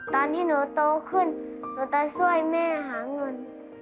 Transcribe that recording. ตอนที่หนูโตขึ้นหนูจะช่วยแม่หาเงิน